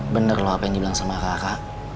bener loh apa yang dibilang sama kakak